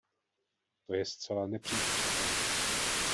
To je zcela nepřípustné.